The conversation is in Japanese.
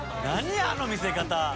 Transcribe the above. あの見せ方。